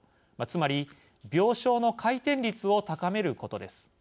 つまり病床の回転率を高めることです。